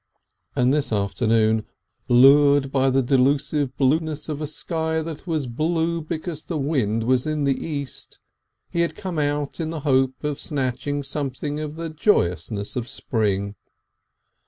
And this afternoon, lured by the delusive blueness of a sky that was blue because the wind was in the east, he had come out in the hope of snatching something of the joyousness of spring.